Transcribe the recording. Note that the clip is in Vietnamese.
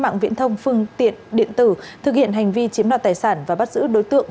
mạng viễn thông phương tiện điện tử thực hiện hành vi chiếm đoạt tài sản và bắt giữ đối tượng